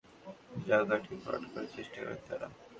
সঙ্গে সঙ্গে geo bag ফেলে ভাঙা জায়গাটি ভরাট করার চেষ্টা করেন তাঁরা।